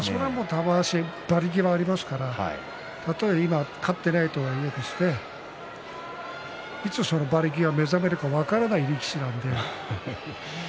玉鷲は馬力がありますからたとえ今勝っていないとはいえいつその馬力が目覚めるか分からない力士なので。